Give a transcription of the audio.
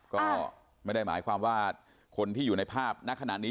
ก็ไม่ได้หมายความว่าคนที่อยู่ในภาพณขณะนี้